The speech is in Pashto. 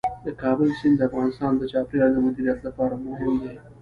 د کابل سیند د افغانستان د چاپیریال د مدیریت لپاره مهم دی.